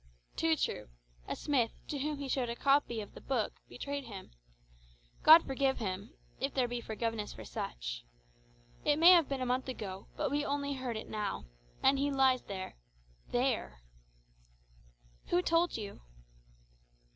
"Too true. A smith, to whom he showed a copy of the Book, betrayed him. God forgive him if there be forgiveness for such. It may have been a month ago, but we only heard it now. And he lies there there." "Who told you?"